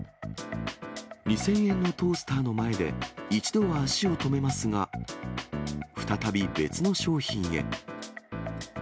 ２０００円のトースターの前で、一度は足を止めますが、再び別の商品へ。